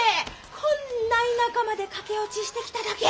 こんな田舎まで駆け落ちしてきただけ！